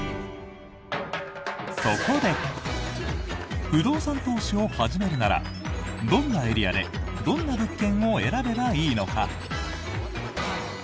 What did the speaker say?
そこで、不動産投資を始めるならどんなエリアでどんな物件を選べばいいのか。